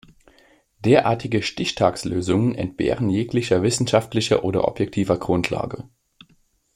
Derartige Stichtagslösungen entbehren jeglicher wissenschaftlicher oder objektiver Grundlage.